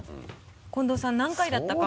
近藤さん何回だったか？